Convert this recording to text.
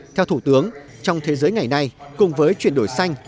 theo thủ tướng trong thế giới ngày nay cùng với chuyển đổi xanh